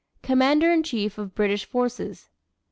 Commander in chief of British forces.